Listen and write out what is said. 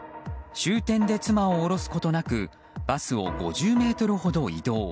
終点で妻を降ろすことなくバスを５０ｍほど移動。